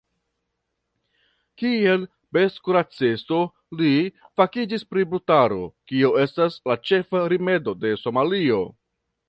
Kiel bestkuracisto li fakiĝis pri brutaro, kio estas la ĉefa rimedo de Somalio.